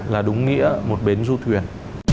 là đúng nghĩa một bến du thuyền